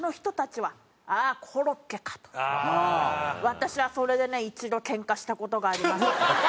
私はそれでね一度ケンカした事があります。